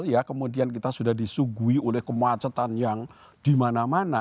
ya kemudian kita sudah disuguhi oleh kemacetan yang dimana mana